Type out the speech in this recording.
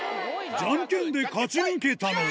じゃんけんで勝ち抜けたのは。